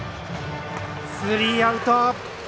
スリーアウト。